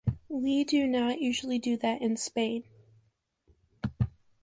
We do not usually do that in Spain.